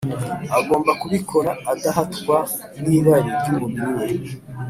Agomba kubikora adahatwa n’irari ry’umubiri we